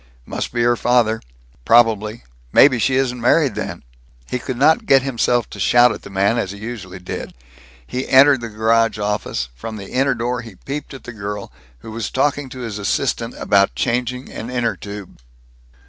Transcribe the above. "Must be her father. Probably maybe she isn't married then." He could not get himself to shout at the man, as he usually did. He entered the garage office; from the inner door he peeped at the girl, who was talking to his assistant about changing an inner tube.